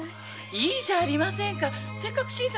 いいじゃありませんか。